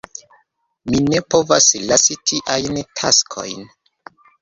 Mi ne povas lasi tiajn taskojn.